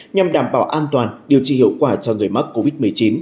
nhằm đảm bảo an toàn điều trị hiệu quả cho người mắc covid một mươi chín